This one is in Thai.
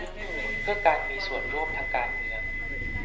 เพื่อการมีส่วนร่วมทางการเมือง